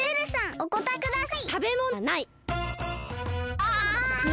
おこたえください！